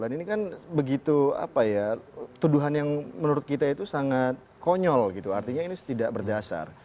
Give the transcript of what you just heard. dan ini kan begitu apa ya tuduhan yang menurut kita itu sangat konyol gitu artinya ini setidak berdasar